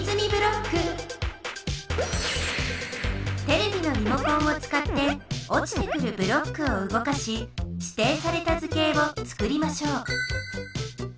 テレビのリモコンを使っておちてくるブロックをうごかししていされた図形をつくりましょう。